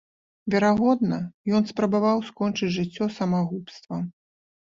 Верагодна, ён спрабаваў скончыць жыццё самагубствам.